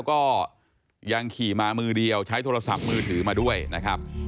ก็ยังขี่มามือเดียวใช้โทรศัพท์มือถือมาด้วยนะครับ